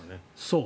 そう。